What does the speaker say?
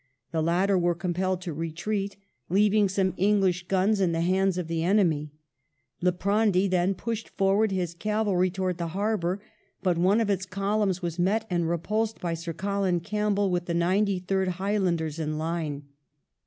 The latter were compelled to retreat, leaving some English guns in the hands of the enemy. Liprandi then pushed forward his cavalry towards the harbour, but one of its columns was met and repulsed by Sir Colin Campbell, with the 93rd Highlanders in line.